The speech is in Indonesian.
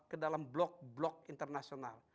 ke dalam blok blok internasional